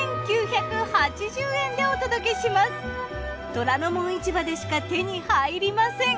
『虎ノ門市場』でしか手に入りません！